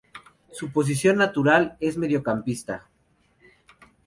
Su posición natural es Mediocampista.